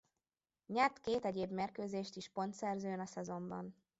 Nyert két egyéb mérkőzést is pontszerzőn a szezonban.